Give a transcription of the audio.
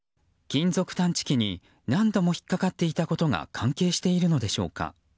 金属探知機に何度も引っかかっていたことが関係しているのでしょうか。